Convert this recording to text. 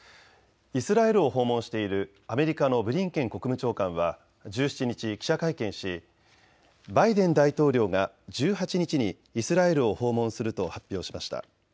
イスラエルを訪問しているアメリカのブリンケン国務長官は１７日、記者会見しバイデン大統領が１８日にイスラエルを訪問すると発表しました。